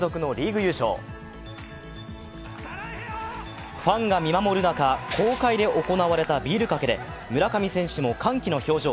ファンが見守る中、公開で行われたビールかけで村上選手も歓喜の表情。